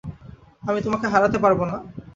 আমি তোমাকে হারাতে পারব না।